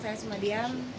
saya cuma diam